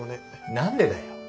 何でだよ？